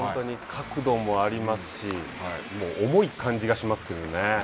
角度もありますしもう重い感じがしますけどね。